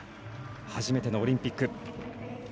初めてのオリンピック。